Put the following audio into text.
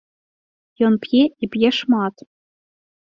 Ён п'е і п'е шмат.